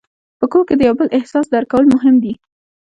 په کور کې د یو بل احساس درک کول مهم دي.